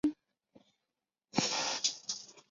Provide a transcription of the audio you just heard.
薄瓣节节菜为千屈菜科节节菜属下的一个种。